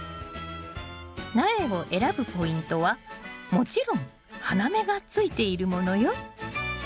苗を選ぶポイントはもちろん花芽がついているものよ。